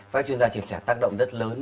phát triển gia truyền sẻ tác động rất lớn